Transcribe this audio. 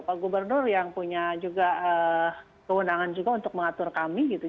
pak gubernur yang punya juga kewenangan juga untuk mengatur kami gitu